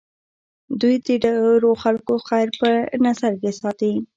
دوی د ډېرو خلکو خیر په نظر کې ساتي.